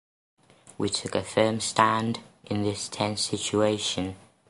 We took a firm stand in this tense situation.